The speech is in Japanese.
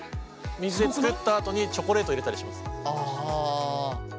水で作ったあとにチョコレート入れたりします。